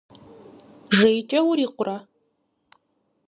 Жейкӏэ урикъурэ?